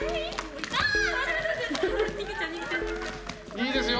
いいですよ